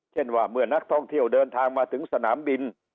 เช่นว่าเมื่อนักท่องเที่ยวเดินทางมาถึงสนามบิน